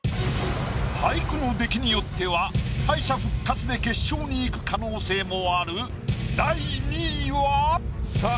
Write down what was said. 俳句の出来によっては敗者復活で決勝に行く可能性もあるさあ